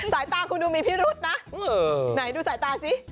สายตาคุณดูมีพิรุษนะไหนดูสายตาสิ